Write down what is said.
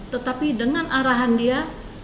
tetapi dengan arahan dia